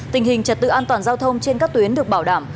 tình hình trật tự an toàn giao thông trên các tuyến được bảo đảm